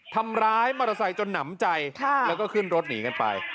ทำร้ายมอเตอร์ไซค์จนหนำใจแล้วก็ขึ้นรถหนีกันไป